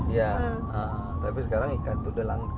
ya tapi sekarang ikan itu udah langka